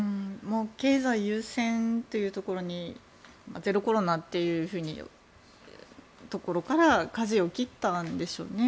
経済優先というところにゼロコロナというところからかじを切ったんでしょうね。